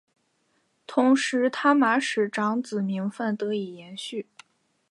同时他玛使长子名份得以延续。